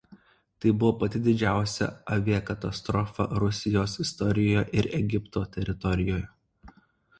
Tai buvo pati didžiausia aviakatastrofa Rusijos istorijoje ir Egipto teritorijoje.